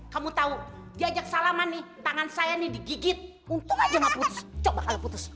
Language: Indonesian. kamu tahu diajak salaman nih tangan saya nih digigit untung aja mau putus coba al putus